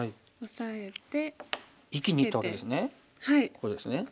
ここですね。